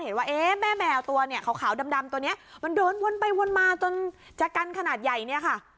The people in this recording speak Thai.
เอ๊ะแม่แมวตัวเนี่ยขาวดำตัวนี้มันเดินวนไปวนมาจนจะกันขนาดใหญ่เนี่ยค่ะ